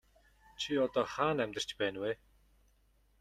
Чи одоо хаана амьдарч байна вэ?